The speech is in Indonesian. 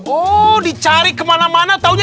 oh dicari kemana mana taunya